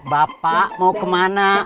bapak mau kemana